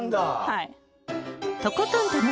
はい。